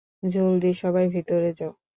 জলদি, সবাই ভিতরে যাও!